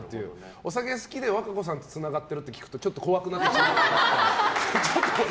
お酒好きで、和歌子さんとつながってるって聞くとちょっと怖くなっちゃいますね。